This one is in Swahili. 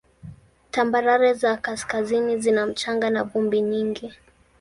Tambarare za kaskazini zina mchanga na vumbi nyingi.